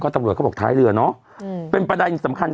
ตำรวจเขาบอกท้ายเรือเนอะเป็นประเด็นสำคัญ